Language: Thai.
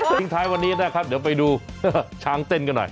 ทิ้งท้ายวันนี้นะครับเดี๋ยวไปดูช้างเต้นกันหน่อย